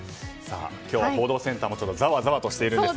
今日は報道センターもちょっとざわざわしているんです。